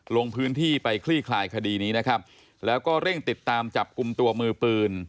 ลงพื้นที่ไปคลี่คลายคดีนี้นะครับแล้วก็เร่งติดตามจับกลุ่มตัวมือปืน